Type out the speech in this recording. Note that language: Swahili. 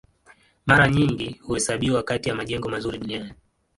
Mara nyingi huhesabiwa kati ya majengo mazuri duniani.